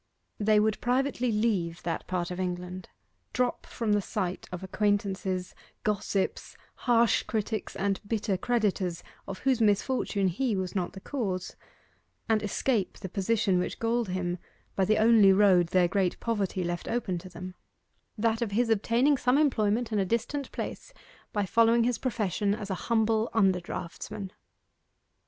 They would privately leave that part of England, drop from the sight of acquaintances, gossips, harsh critics, and bitter creditors of whose misfortune he was not the cause, and escape the position which galled him by the only road their great poverty left open to them that of his obtaining some employment in a distant place by following his profession as a humble under draughtsman.